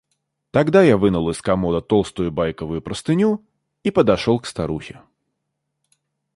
Тогда я вынул из комода толстую байковую простыню и подошел к старухе.